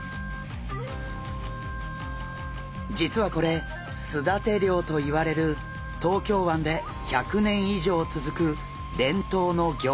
実はこれすだて漁といわれる東京湾で１００年以上続く伝統の漁法。